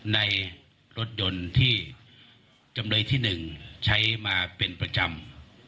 ในรถยนต์ที่จำเลยที่๑ใช้มาเป็นประจำ